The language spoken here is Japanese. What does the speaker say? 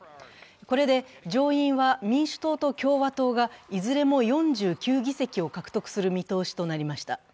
これで上院は民主党と共和党がいずれも４９議席を獲得する見通しとなりました。